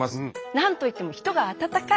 何といっても人が温かい。